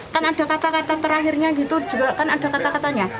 kan ada kata kata terakhirnya gitu juga kan ada kata katanya